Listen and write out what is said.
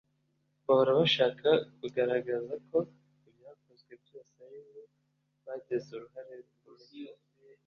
bahora bashaka kugaragaza ko ibyakozwe byose ari bo bagize uruhare rukomeye